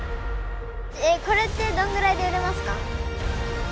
これってどんぐらいで売れますか？